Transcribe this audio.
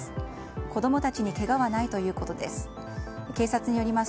子供たちにけがはないということです。